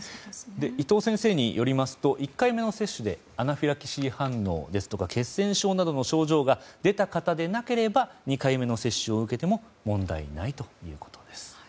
伊藤先生によりますと１回目の接種でアナフィラキシー反応や血栓症などの症状が出た方でなければ２回目の接種を受けても問題ないということです。